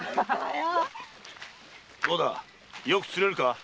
どうだよく釣れるか？